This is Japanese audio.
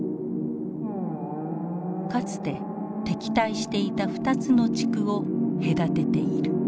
かつて敵対していた２つの地区を隔てている。